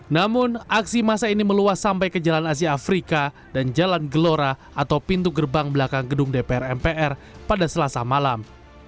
namun aksi masa ini meluas sampai ke jalan asia afrika dan jalan gelora atau pintu gerbang belakang gedung dpr mpr pada selasa malam